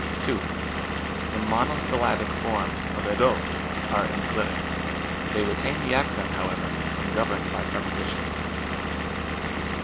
2. The monosyllabic forms of syc) are enclitic. They retain the accent, however, when governed by prepositions.